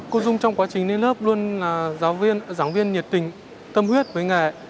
cô dung trong quá trình đi lớp luôn là giáo viên giảng viên nhiệt tình tâm huyết với nghề